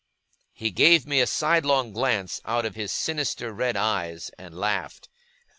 He gave me a sidelong glance out of his sinister red eyes, and laughed.